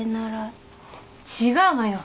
違うわよ。